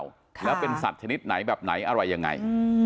แล้วเป็นสัตว์ชนิดไหนแบบไหนอะไรยังไง